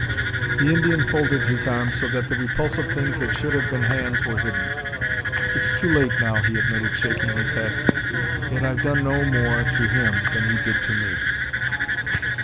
The Indian folded his arms so that the repulsive things that should have been hands were hidden. "It's too late now," he admitted, shaking his head. "Yet I've done no more to him than he did to me."